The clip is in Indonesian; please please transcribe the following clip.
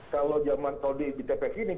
kalau zaman kalau di pgpf ini